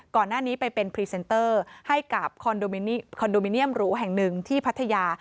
ก่อนหน้านี้ไปเป็นพรีเซนเตอร์ให้กับคอนโดมิเนียมหรูแห่งหนึ่งที่พัทยา